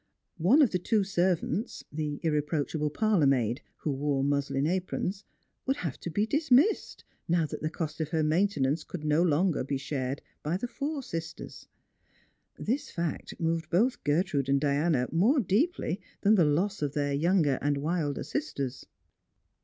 Ono of the two servants — the irreproachable parlour maid, who Strangers and Pilgrims. 251 •rot^^atmslin aprons — would have to be dismissed, now that the W«t or her maintenance could be no longer shared by the four sisters. Thts fact nioved both Gertrude and Diana more deeply than the loss of their younger and wilder sisters.